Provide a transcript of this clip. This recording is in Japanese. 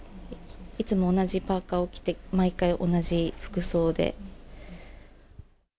いつも同じパーカーを着て、毎回同じ服装で。